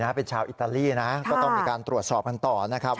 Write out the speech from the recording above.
เป็นชาวอิตาลีนะก็ต้องมีการตรวจสอบกันต่อนะครับ